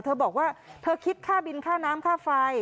เธอบอกว่าเธอคิดฆ่าบินฆ่าน้ำฟัย